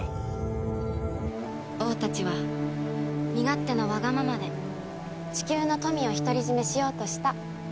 王たちは身勝手なワガママでチキューの富を独り占めしようとした。